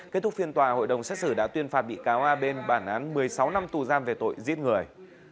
kết thúc phiên tòa hội đồng xét xử đã tuyên phạt bị cáo a bên bản án một mươi sáu năm tù giam về tội giết người